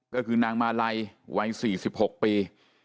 ก็คือนางมาลัยวัย๔๖ปี